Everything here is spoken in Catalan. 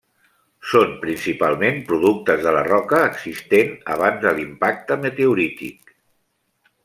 Són principalment productes de la roca existent abans de l'impacte meteorític.